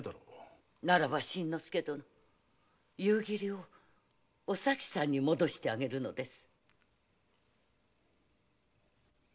ならば夕霧をお咲さんに戻してあげるのです。